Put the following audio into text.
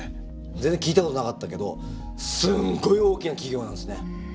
全然聞いたことなかったけどすんごい大きな企業なんですね。